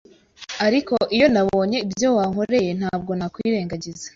Ariko iyo nabonye ibyo wankoreye ntabwo nakwirengagiza